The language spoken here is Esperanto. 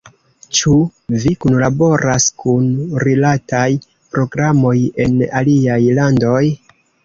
Ĉu vi kunlaboras kun rilataj programoj en aliaj landoj?